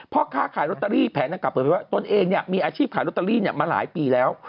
พ่อค่าขายโรตเตอรี่แผนกับตนเองมีอาชีพขายโรตเตอรี่มาหลายปีแล้ว